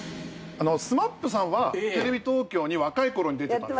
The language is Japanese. ＳＭＡＰさんはテレビ東京に若いころに出てたんすよ。